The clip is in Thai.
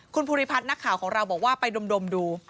คุณภูริพัฒน์นักข่าวของเราบอกว่าไปดมดู